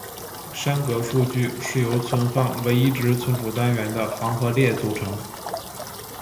栅格数据由存放唯一值存储单元的行和列组成。